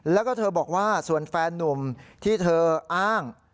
แล้วก็เธอบอกว่าส่วนแฟนนุ่มที่เธออ้าง